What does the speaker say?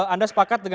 anda sepakat dengan